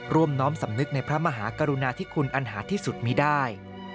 น้อมสำนึกในพระมหากรุณาธิคุณอันหาที่สุดมีได้